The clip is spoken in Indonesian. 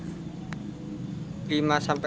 dalam satu bulan bisa mendapatkan berapa